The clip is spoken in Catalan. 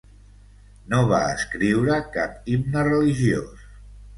No va escriure cap himne religiós.